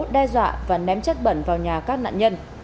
đe dọa và ném chất bẩn vào nhà các nạn nhân